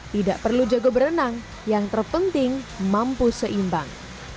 tidak perlu jago berenang yang terpenting mampu seimbang